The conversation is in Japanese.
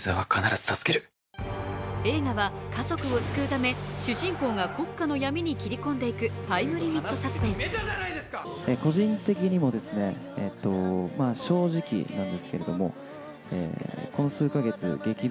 映画は家族を救うため主人公が国家の闇に切り込んでいくタイムリミットサスペンス。と熱い思いを語った中島さん。